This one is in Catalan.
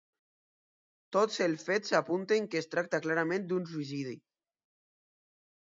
Tots els fets apunten que es tracta clarament d'un suïcidi.